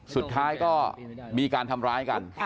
สุดท้ายก็มีการทำร้ายกัน